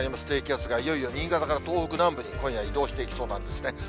低気圧がいよいよ新潟から東北南部に今夜、移動していきそうなんですね。